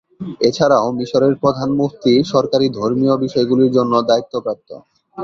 এছাড়াও মিশরের প্রধান মুফতি সরকারী ধর্মীয় বিষয়গুলির জন্য দায়িত্বপ্রাপ্ত।